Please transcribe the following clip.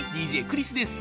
ＤＪクリスです。